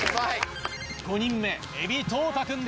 ５人目海老統太君です。